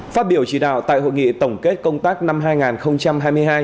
phát biểu chỉ đạo tại hội nghị tổng kết công tác năm hai nghìn hai mươi hai